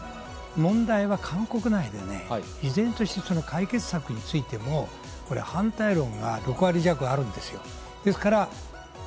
問題は韓国内で依然として解決策についても反対論が６割弱あるんですよ。